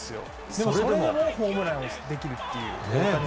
でもそれでもホームランにできるっていう、大谷選手。